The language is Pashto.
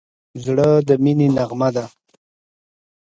زړه د مینې نغمه ده.